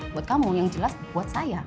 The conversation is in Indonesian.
buat kamu yang jelas buat saya